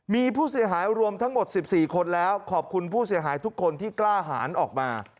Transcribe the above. มีผู้เสียหายรวมทั้งหมด๑๔คนแล้วขอบคุณผู้เสียหายทุกคนที่กล้าหารออกมา